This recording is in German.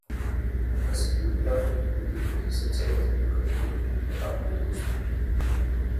Das Mühlrad wurde in dieser Zeit durch eine Turbine abgelöst.